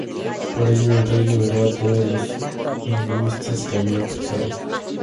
Por ello el rey liberó a todos los hinduistas que había apresado.